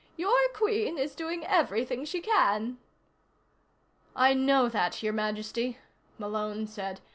"Your Queen is doing everything she can." "I know that, Your Majesty," Malone said.